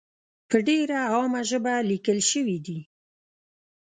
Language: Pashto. په ډېره عامه ژبه لیکل شوې دي.